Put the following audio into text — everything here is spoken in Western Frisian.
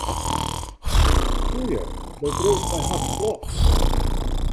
Toe ju, do triuwst my hast plat.